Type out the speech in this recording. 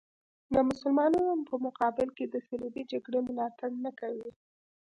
د مسلمانانو په مقابل کې د صلیبي جګړې ملاتړ نه کوي.